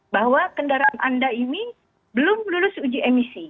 bahwa kendaraan anda ini belum lulus uji emisi